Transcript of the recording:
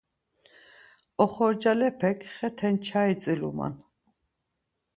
Oxorcalepek xeten çai tziluman.